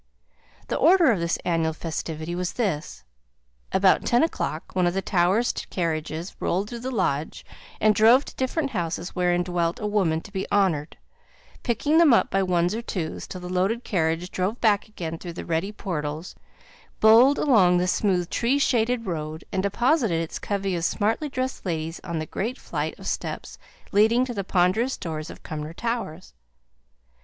The order of this annual festivity was this. About ten o'clock one of the Towers' carriages rolled through the lodge, and drove to different houses, wherein dwelt a woman to be honoured; picking them up by ones or twos, till the loaded carriage drove back again through the ready portals, bowled along the smooth tree shaded road, and deposited its covey of smartly dressed ladies on the great flight of steps leading to the ponderous doors of Cumnor Towers.